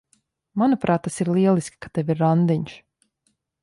Manuprāt, tas ir lieliski, ka tev ir randiņš.